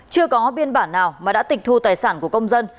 chưa có biên bản nào mà đã tịch thu tài sản của công dân